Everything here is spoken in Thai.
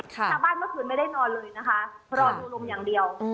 ทางบ้านเมื่อคืนไม่ได้นอนเลยนะคะรอดูลมอย่างเดียว